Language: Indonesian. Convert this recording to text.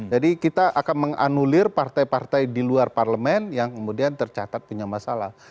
jadi kita akan menganulir partai partai di luar parlemen yang kemudian tercatat punya masalah